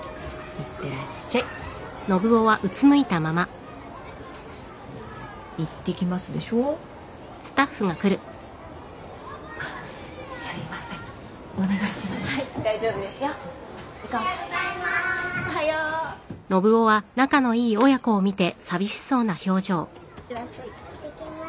いってきます。